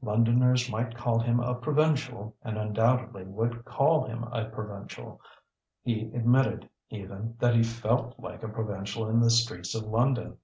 Londoners might call him a provincial, and undoubtedly would call him a provincial; he admitted, even, that he felt like a provincial in the streets of London.